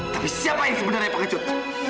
tapi siapa yang sebenarnya pengecut